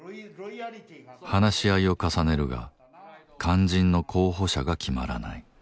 話し合いを重ねるが肝心の候補者が決まらない。